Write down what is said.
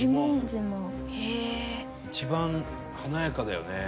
一番華やかだよねしかし。